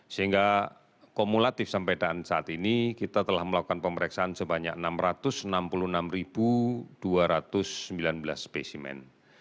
sehingga kumulatif sampai saat ini kita telah melakukan pemeriksaan sebanyak enam ratus enam puluh enam dua ratus sembilan belas spesimen